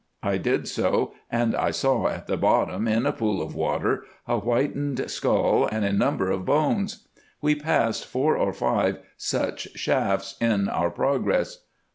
_' I did so, and I saw at the bottom, in a pool of water, a whitened skull and a number of bones. We passed four or five such shafts in our progress."